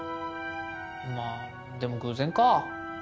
まあでも偶然か。